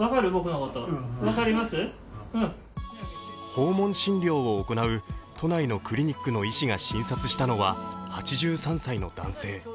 訪問診療を行う都内のクリニックの医師が診察したのは８３歳の男性。